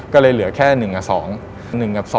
ก็เลยเหลือแค่๑กับ๒